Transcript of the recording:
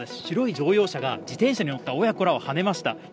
白い乗用車が、自転車に乗った親子らをはねました。